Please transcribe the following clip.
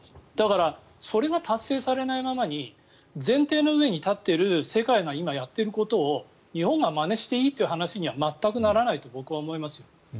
だから、それが達成されないままに前提の上に立っている世界が今やっていることを日本がまねしていいという話には全くならないと僕は思いますよ。